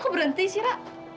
kok berhenti sih rah